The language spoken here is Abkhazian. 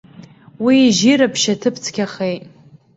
Уи ижьира ԥшьаҭыԥ цқьахеит.